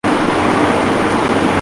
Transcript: وہ سنبھل کر اٹھی اور بیٹھ گئی۔